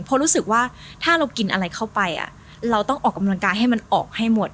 เพราะรู้สึกว่าถ้าเรากินอะไรเข้าไปเราต้องออกกำลังกายให้มันออกให้หมด